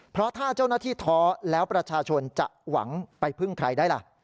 เพราะถ้าเจ้าหน้าที่ท้อแล้วประชาชนจะหวังไปพึ่งใครได้ล่ะ